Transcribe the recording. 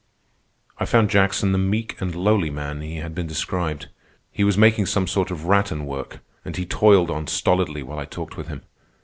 I found Jackson the meek and lowly man he had been described. He was making some sort of rattan work, and he toiled on stolidly while I talked with him.